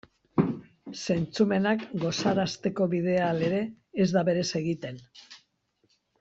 Zentzumenak gozarazteko bidea, halere, ez da berez egiten.